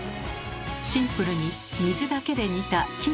シンプルに水だけで煮たキンキの湯煮。